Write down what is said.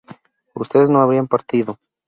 ustedes no habrían partido